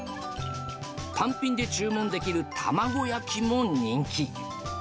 単品で注文できる卵焼きも人気。